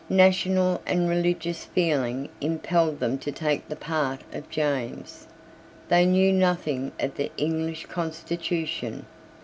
National and religious feeling impelled them to take the part of James. They knew nothing of the English constitution.